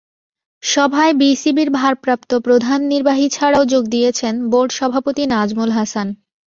সভায় বিসিবির ভারপ্রাপ্ত প্রধান নির্বাহী ছাড়াও যোগ দিয়েছেন বোর্ড সভাপতি নাজমুল হাসান।